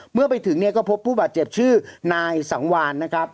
เมื่อไปถึงเนี่ยก็พบผู้บาดเจ็บชื่อนายสังวานนะครับ